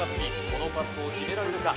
このパットを決められるか？